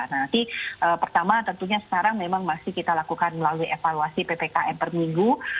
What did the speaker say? nanti pertama tentunya sekarang memang masih kita lakukan melalui evaluasi ppkm per minggu